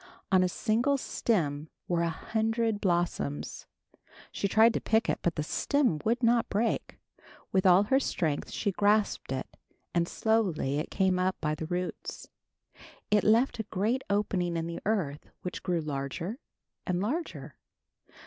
On a single stem were a hundred blossoms. She tried to pick it, but the stem would not break. With all her strength she grasped it, and slowly it came up by the roots. It left a great opening in the earth which grew larger and larger.